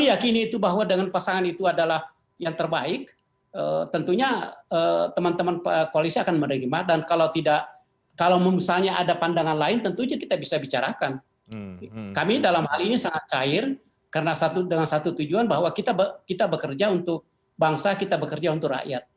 an ingending kami dalam hal ini saya cair karena satu dengan satu tujuan bahwa kita berkita bekerja untuk